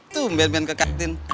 tuh ben ben kekatin